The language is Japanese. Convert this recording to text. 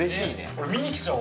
俺、見に来ちゃう。